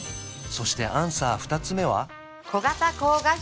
そしてアンサー２つ目は？